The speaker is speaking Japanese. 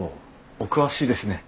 お詳しいですね。